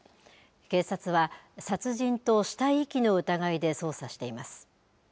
警察は、殺人と死体遺棄の疑いで捜査しています。